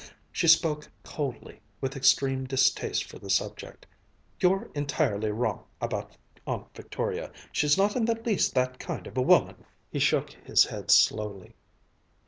She spoke coldly, with extreme distaste for the subject: "You're entirely wrong about Aunt Victoria. She's not in the least that kind of a woman." He shook his head slowly.